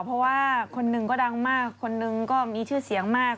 เพราะว่าคนหนึ่งก็ดังมากคนหนึ่งก็มีชื่อเสียงมาก